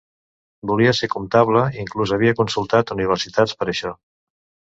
Volia ser comptable, inclús havia consultat universitats per això.